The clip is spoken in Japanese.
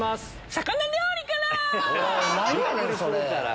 魚料理から！